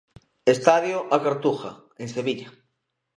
Estadio A Cartuja, en Sevilla.